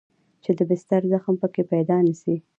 چې د بستر زخم پکښې پيدا نه سي.